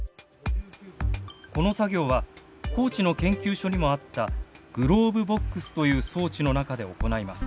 この作業は高知の研究所にもあったグローブボックスという装置の中で行います。